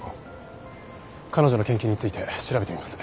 彼女の研究について調べてみます。